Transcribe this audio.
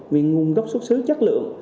về nguồn gốc xuất xứ chất lượng